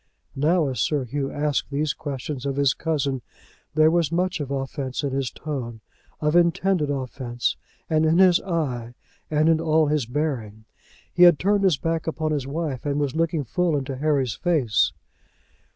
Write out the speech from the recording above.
Now, as Sir Hugh asked these questions of his cousin, there was much of offence in his tone, of intended offence, and in his eye, and in all his bearing. He had turned his back upon his wife, and was looking full into Harry's face.